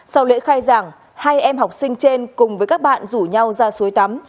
sau lễ khai giảng hai em học sinh trên cùng với các bạn rủ nhau ra suối tắm